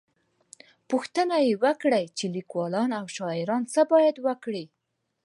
_پوښتنه يې وکړه چې ليکوال او شاعران بايد څه وکړي؟